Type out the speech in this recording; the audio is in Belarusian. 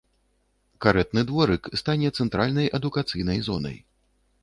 Карэтны дворык стане цэнтральнай адукацыйнай зонай.